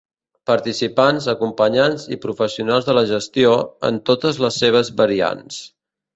Participants, acompanyants i professionals de la gestió, en totes les seves variants.